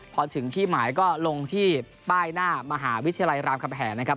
พอถึงที่หมายก็ลงที่ป้ายหน้ามหาวิทยาลัยรามคำแหงนะครับ